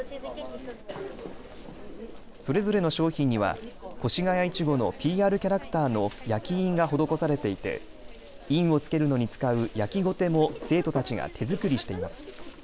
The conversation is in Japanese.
それぞれの商品には越谷いちごのＰＲキャラクターの焼き印が施されていて印を付けるのに使う焼きごても生徒たちが手作りしています。